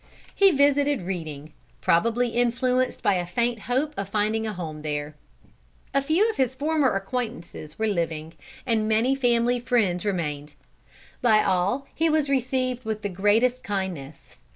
He visited Reading, probably influenced by a faint hope of finding there a home. A few of his former acquaintances were living, and many family friends remained. By all he was received with the greatest kindness.